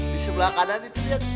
di sebelah kanan itu dia